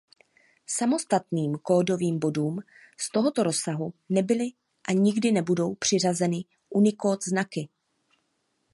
Samostatným kódovým bodům z tohoto rozsahu nebyly a nikdy nebudou přiřazeny Unicode znaky.